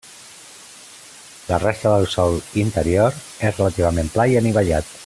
La resta del sòl interior és relativament pla i anivellat.